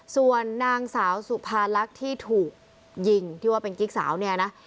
ส่วนนางสาวสุภาลักษณ์ที่ถูกยิงที่ว่าเป็นกิ๊กสาวเนี่ยนะ